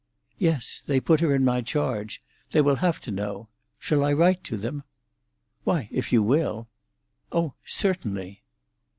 "Yes; they put her in my charge. They will have to know. Shall I write to them?" "Why, if you will." "Oh, certainly."